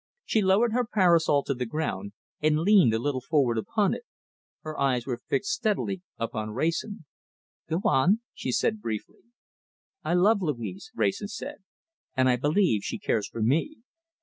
She lowered her parasol to the ground, and leaned a little forward upon it. Her eyes were fixed steadily upon Wrayson. "Go on," she said briefly. "I love Louise," Wrayson said, "and I believe she cares for me.